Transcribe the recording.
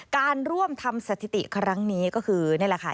การร่วมทำสถิติครั้งนี้ก็คือนี่แหละค่ะ